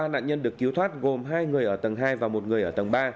ba nạn nhân được cứu thoát gồm hai người ở tầng hai và một người ở tầng ba